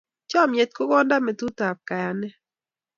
Chomnyet ko kondometutab kayanet.